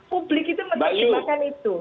publik itu menerjemahkan itu